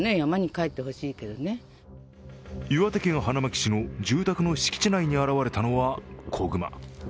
岩手県花巻市の住宅の敷地内に現れたのは子熊。